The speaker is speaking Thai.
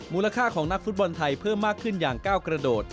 มูลค่าของนักฟุตบอลไทยเพิ่มมากขึ้นอย่าง๙กระโดด